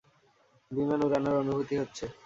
বিমান উড়ানোর অনুভূতি হচ্ছে।